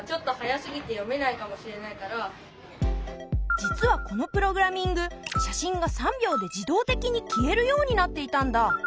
実はこのプログラミング写真が３秒で自動的に消えるようになっていたんだ。